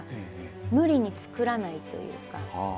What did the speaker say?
無理に作らないというか。